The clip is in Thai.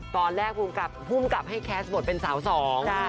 ตอนแรกภูมิกับให้แคสต์บทเป็นสาวสอง